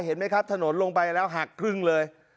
เห็นไหมครับถนนลงไปแล้วหักครึ่งเลย